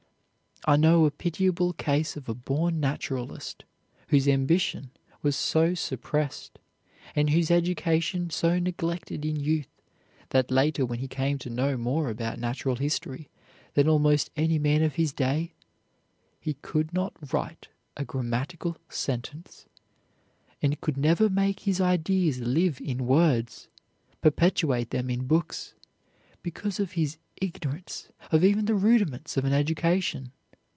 I know a pitiable case of a born naturalist whose ambition was so suppressed, and whose education so neglected in youth, that later when he came to know more about natural history than almost any man of his day, he could not write a grammatical sentence, and could never make his ideas live in words, perpetuate them in books, because of his ignorance of even the rudiments of an education.